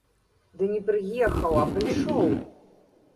Ды не прыехаў, а прыйшоў.